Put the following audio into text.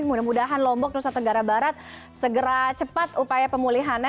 mudah mudahan lombok nusa tenggara barat segera cepat upaya pemulihannya